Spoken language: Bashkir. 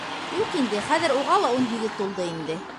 Юҡ инде, хәҙер уға ла ун һигеҙ тулды инде.